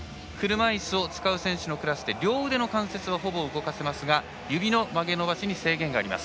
車いすを使う選手のクラスで両腕の関節はほぼ動かせますが指の曲げ伸ばしに制限があります。